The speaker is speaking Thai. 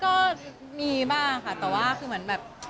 ก็มีบ้างค่ะแต่แบบ